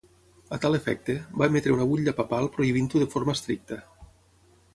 A tal efecte, va emetre una butlla papal prohibint-ho de forma estricta.